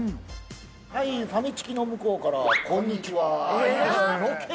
はいファミチキの向こうからこんにちは。